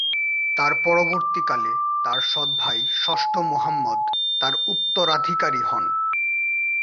তার পরবর্তীকালে তার সৎ ভাই ষষ্ঠ মুহাম্মদ তার উত্তরাধিকারী হন।